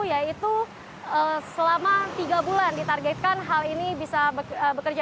yaitu selama tiga bulan ditargetkan hal ini bisa bekerja